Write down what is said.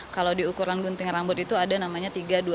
kalau diukuran gunting rambut itu ada namanya tiga dua satu